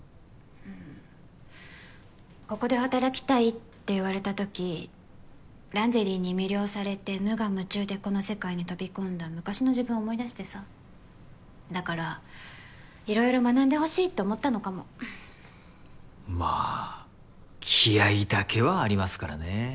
うんここで働きたいって言われたときランジェリーに魅了されて無我夢中でこの世界に飛び込んだ昔の自分を思い出してさだから色々学んでほしいって思ったのかもまあ気合いだけはありますからね